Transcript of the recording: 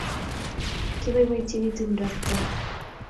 Kibaibaitynchini tumdab kaa